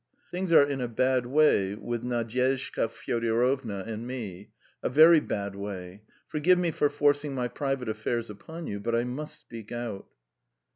Things are in a bad way with Nadyezhda Fyodorovna and me ... a very bad way! Forgive me for forcing my private affairs upon you, but I must speak out."